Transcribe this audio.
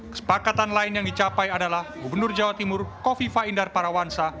kesepakatan lain yang dicapai adalah gubernur jawa timur kofifa indar parawansa